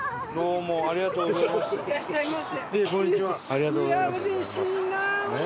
ありがとうございます。